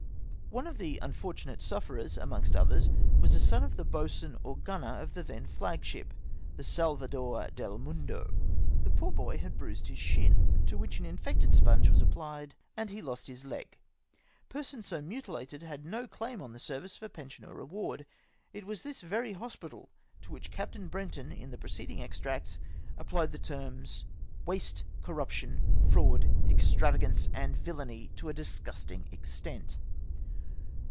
One of the unfortunate sufferers, amongst others, was a son of the boatswain or gunner of the then flagship, the Salvador del Mundo. The poor boy had bruised his shin, to which an infected sponge was apphed, and he lost his leg ! Persons so mutilated had no claim on the ser\dce for pension or reward. It was this very hospital to which Captain Brenton, in the preceding extracts, applied the terms " waste, corrup EMPTY PHYSIC BOTTLES. 161 tion, fraud, extravagance, and villany to a disgusting extent."